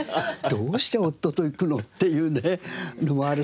「どうして夫と行くの？」っていうねのもあるし。